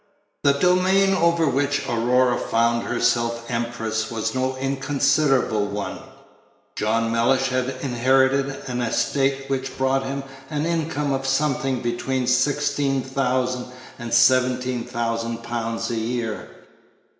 The domain over which Aurora found herself empress was no inconsiderable one. John Mellish had inherited an estate which brought him an income of something between £16,000 and £17,000 a year.